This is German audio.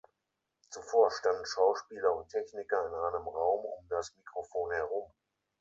Zuvor standen Schauspieler und Techniker in einem Raum um das Mikrofon herum.